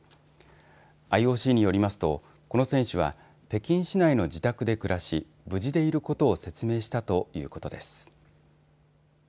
ＩＯＣによりますとこの選手は北京市内の自宅で暮らし、無事でいることを説明したということです。